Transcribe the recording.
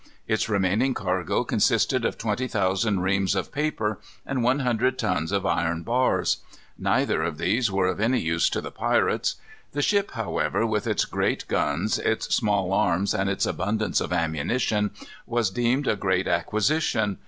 Its remaining cargo consisted of twenty thousand reams of paper and one hundred tons of iron bars. Neither of these were of any use to the pirates. The ship, however, with its great guns, its small arms, and its abundance of ammunition, was deemed a great acquisition.